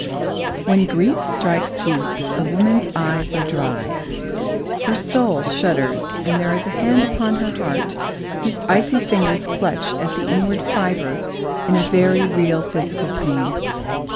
When grief strikes deep, a woman's eyes are dry. Her soul shudders and there is a hand upon her heart whose icy fingers clutch at the inward fibre in a very real physical pain.